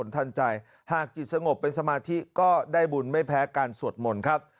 ทันใจหากจิตสงบเป็นสมาธิก็ได้บุญไม่แพ้การสวดมนต์ครับ